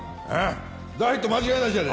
大ヒット間違いなしやで。